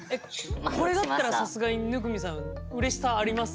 これだったらさすがに生見さんうれしさあります？